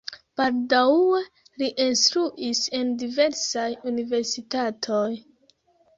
Baldaŭe li instruis en diversaj universitatoj.